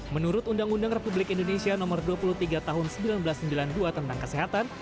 menurut undang undang republik indonesia nomor dua puluh tiga tahun seribu sembilan ratus sembilan puluh dua tentang kesehatan